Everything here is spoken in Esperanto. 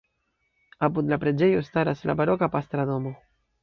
Apud la preĝejo staras la baroka pastra domo.